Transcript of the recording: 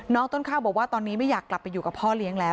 ต้นข้าวบอกว่าตอนนี้ไม่อยากกลับไปอยู่กับพ่อเลี้ยงแล้ว